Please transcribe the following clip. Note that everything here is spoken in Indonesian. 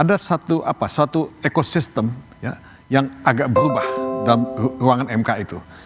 ada satu ekosistem yang agak berubah dalam ruangan mk itu